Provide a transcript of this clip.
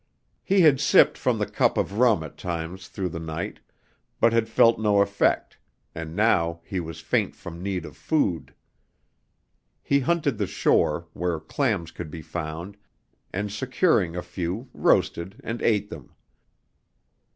He had sipped from the cup of rum at times through the night, but had felt no effect, and now he was faint from need of food. He hunted the shore, where clams could be found, and securing a few roasted and ate them.